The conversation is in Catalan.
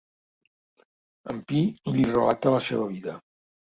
En Pi li relata la seva vida.